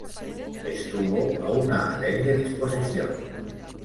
Estuvo a una alegre disposición.